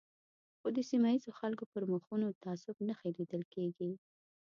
خو د سیمه ییزو خلکو پر مخونو د تعصب نښې لیدل کېږي.